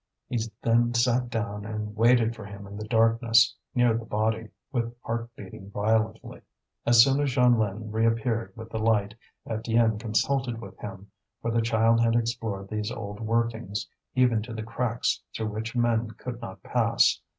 He then sat down and waited for him in the darkness, near the body, with heart beating violently. As soon as Jeanlin reappeared with the light, Étienne consulted with him, for the child had explored these old workings, even to the cracks through which men could not pass.